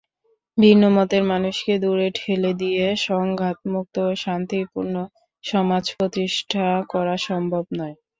ভিন্নমতের মানুষকে দূরে ঠেলে দিয়ে সংঘাতমুক্ত শাক্তিপূর্ণ সমাজ প্রতিষ্ঠা করা সম্ভব নয়।